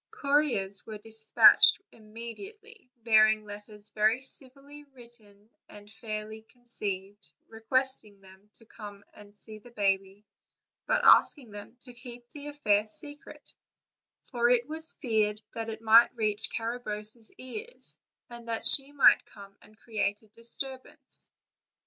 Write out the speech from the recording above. Couriers were dis patched immediately, bearing letters very civilly con ceived and fairly written, requesting them to come and see the baby, but asking them to keep the affair secret, for it was feared that it might reach Carabosse's ears, and that she might come and create a disturbance.